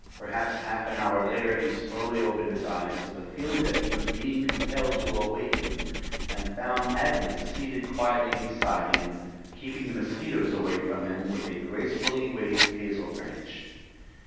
Perhaps half an hour later he slowly opened his eyes with the feeling that he was being compelled to awaken, and found Adnah seated quietly beside him, keeping the mosquitoes away from him with a gracefully waved hazel branch.